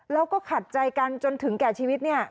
แล้วก็ขัดใจกันจนถึงแก่ชีวิตเนี่ย